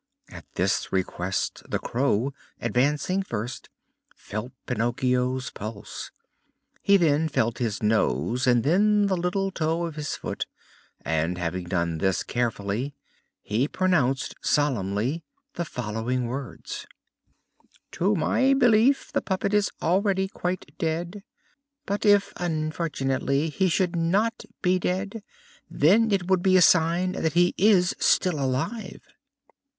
At this request the Crow, advancing first, felt Pinocchio's pulse; he then felt his nose and then the little toe of his foot: and, having done this carefully, he pronounced solemnly the following words: "To my belief the puppet is already quite dead; but, if unfortunately he should not be dead, then it would be a sign that he is still alive!"